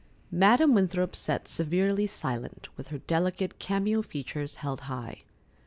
Madam Winthrop sat severely silent, with her delicate, cameo features held high.